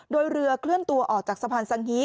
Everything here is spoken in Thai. โดยเรือเคลื่อนตัวออกจากสะพานสังฮี